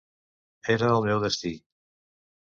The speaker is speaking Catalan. Era el meu destí.